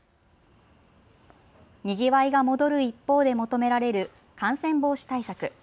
にぎわいが戻る一方で求められる感染防止対策。